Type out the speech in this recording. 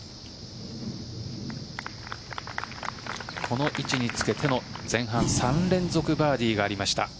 この位置につけての前半３連続バーディーがありました。